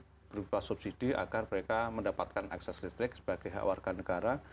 bantuan berupa subsidi agar mereka mendapatkan akses listrik sebagai awarkan negara